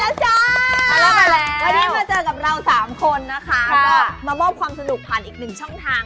แล้ววันนี้มาเจอกับเราสามคนนะคะก็มามอบความสนุกผ่านอีกหนึ่งช่องทาง